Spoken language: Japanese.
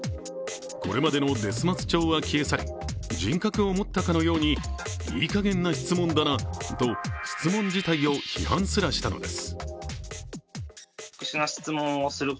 これまでのですます調は消え去り人格を持ったかのようにいいかげんな質問だなと質問自体を批判すらしたのです。